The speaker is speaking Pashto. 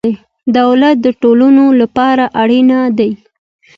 دولت د ټولنو لپاره اړین دی.